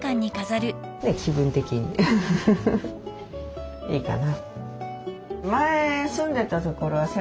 気分的にいいかな。